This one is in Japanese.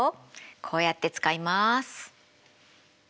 こうやって使います。